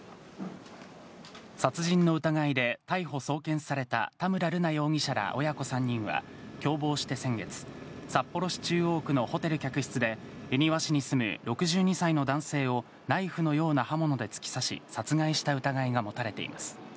殺人の疑いで逮捕・送検された、田村瑠奈容疑者ら親子３人は、共謀して先月、札幌市中央区のホテル客室で、恵庭市に住む６２歳の男性をナイフのような刃物で突き刺し、殺害した疑いが持たれています。